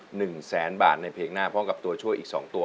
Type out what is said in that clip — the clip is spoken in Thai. หนึ่งแสนบาทในเพลงหน้าพร้อมกับตัวช่วยอีกสองตัว